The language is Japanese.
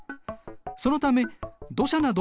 そのため土砂などを運ぶ